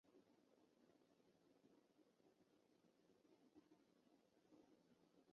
北京市、最高检机关提出了防控工作新要求